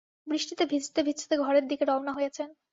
বৃষ্টিতে ভিজতে-ভিজতে ঘরের দিকে রওনা হয়েছেন।